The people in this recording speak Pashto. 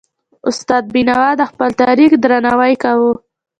استاد بينوا د خپل تاریخ درناوی کاوه.